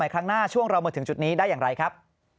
ครั้งหน้าช่วงเรามาถึงจุดนี้ได้อย่างไรครับ